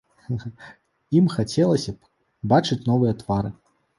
Ім хацелася б бачыць новыя твары.